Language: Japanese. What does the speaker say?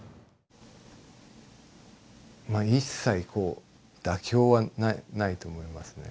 まあ一切こう妥協はないと思いますね音に対して。